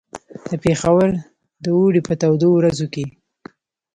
د پېښور د اوړي په تودو ورځو کې.